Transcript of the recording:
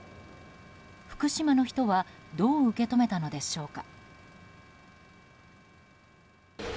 福島の人はどう受け止めたのでしょうか。